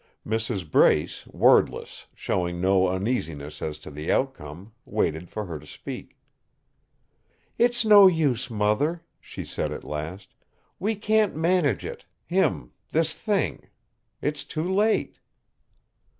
Mrs. Brace, wordless, showing no uneasiness as to the outcome, waited for her to speak. "It's no use, mother," she said at last. "We can't manage it him this thing. It's too late."